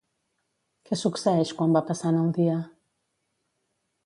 Què succeeix quan va passant el dia?